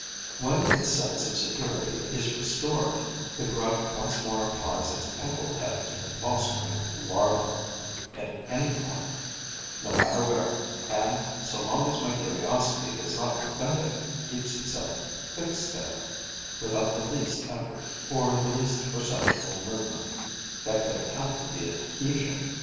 When its sense of security is restored, the grub once more applies its pimple head to the fostering larva, at any point, no matter where; and, so long as my curiosity does not prevent it, keeps itself fixed there, without the least effort, or the least perceptible movement that could account for the adhesion.